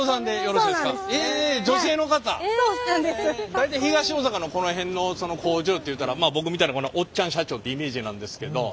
大体東大阪のこの辺のその工場っていうたらまあ僕みたいなおっちゃん社長ってイメージなんですけど。